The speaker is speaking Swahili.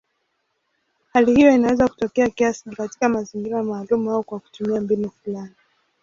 Hali hiyo inaweza kutokea kiasili katika mazingira maalumu au kwa kutumia mbinu fulani.